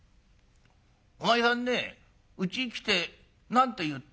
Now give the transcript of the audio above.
お前さんねうちに来て何て言った？